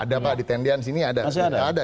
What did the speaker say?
ada pak di tendian sini ada